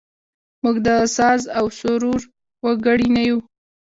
موږ د ساز او سرور وګړي نه یوو.